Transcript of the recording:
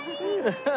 ハハハハ！